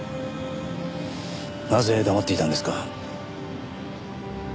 なぜ黙っていたんですか？